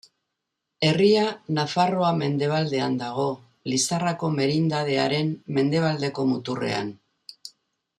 Herria Nafarroa mendebaldean dago, Lizarrako merindadearen mendebaldeko muturrean.